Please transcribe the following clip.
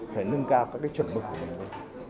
phải nâng cao các chuẩn mực của mình lên